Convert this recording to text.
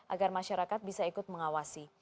agar masyarakat bisa ikut mengawasi